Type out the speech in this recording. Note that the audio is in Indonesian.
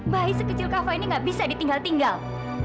bayi sekecil kava ini nggak bisa ditinggal tinggal